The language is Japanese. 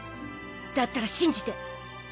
だったら信じて！